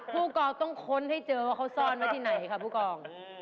ผู้กองต้องค้นให้เจอว่าเขาซ่อนไว้ที่ไหนค่ะผู้กอง